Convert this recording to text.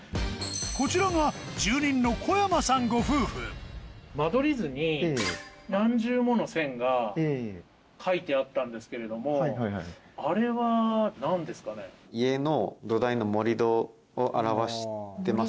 こちらが住人の小山さんご夫婦間取り図に何重もの線が描いてあったんですけれどもあれは何ですかね？を表してます。